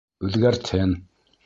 Үҙгәртһен.